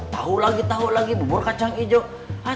tahu lagi tahu lagi bubur kacang hijau